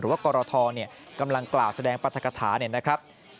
หรือว่ากรทกำลังกล่าวแสดงปรัฐกฐา